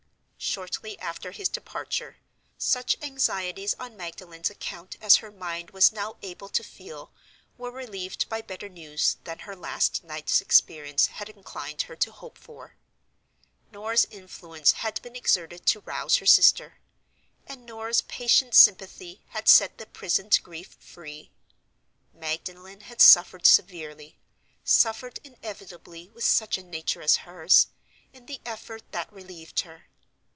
Shortly after his departure, such anxieties on Magdalen's account as her mind was now able to feel were relieved by better news than her last night's experience had inclined her to hope for. Norah's influence had been exerted to rouse her sister; and Norah's patient sympathy had set the prisoned grief free. Magdalen had suffered severely—suffered inevitably, with such a nature as hers—in the effort that relieved her.